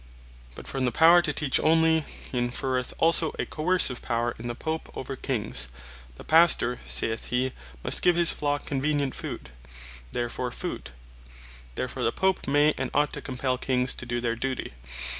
But from the Power to Teach onely, hee inferreth also a Coercive Power in the Pope, over Kings. The Pastor (saith he) must give his flock convenient food: Therefore the Pope may, and ought to compell Kings to doe their duty.